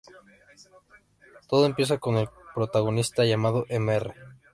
Todo empieza con el protagonista llamado Mr.